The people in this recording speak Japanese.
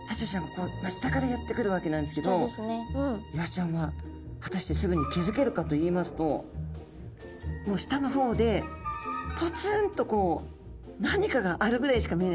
ここ下からやって来るわけなんですけどイワシちゃんは果たしてすぐに気付けるかといいますともう下の方でぽつんとこう何かがあるぐらいしか見えないと思うんですね。